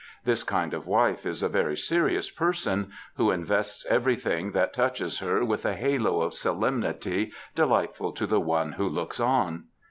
This kind of wife is a very serious person, who invests everything that touches her with a halo of solemnity delightful to the One Who Looks On.